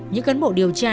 những cấn bộ điều tra